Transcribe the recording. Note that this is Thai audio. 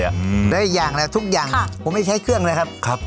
แล้วอีกอย่างแล้วทุกอย่างผมไม่ใช้เครื่องเลยครับครับ